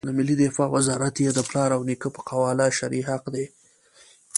د ملي دفاع وزارت یې د پلار او نیکه په قواله شرعي حق دی.